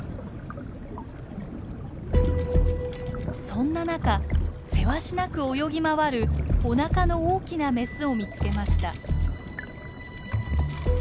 そんな中せわしなく泳ぎ回るおなかの大きなメスを見つけました。